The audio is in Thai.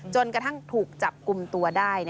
จนกระทั่งถูกจับกลุ่มตัวได้